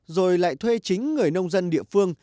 rồi lại thuê chính người nông dân địa phương